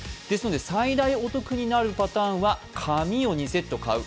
最大お得になるパターンは紙を２セット買う。